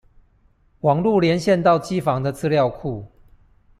網路連線到機房的資料庫